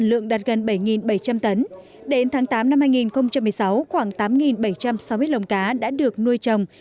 lượng đạt gần bảy bảy trăm linh tấn đến tháng tám năm hai nghìn một mươi sáu khoảng tám bảy trăm sáu mươi lồng cá đã được nuôi trồng